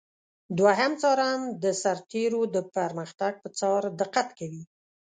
دوهم څارن د سرتیرو د پرمختګ پر څار دقت کوي.